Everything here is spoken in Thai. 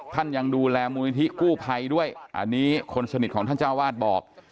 ท่านยังดูแลมูลนิธิกู้ภัยด้วยอันนี้คนสนิทของท่านเจ้าวาดบอก